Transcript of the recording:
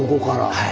はい。